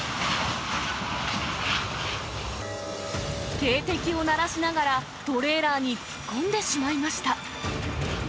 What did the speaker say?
警笛を鳴らしながら、トレーラーに突っ込んでしまいました。